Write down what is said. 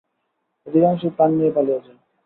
অধিকাংশই প্রাণ নিয়ে পালিয়ে যায়।